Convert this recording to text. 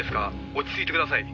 落ち着いてください」